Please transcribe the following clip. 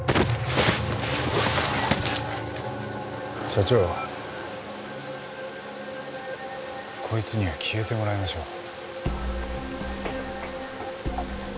社長こいつには消えてもらいましょう。